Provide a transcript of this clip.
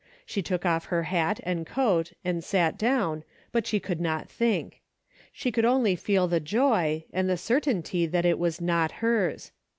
She took off her hat and coat and sat down, but she could not think. She could only feel the joy, and the certainty that it was not hers.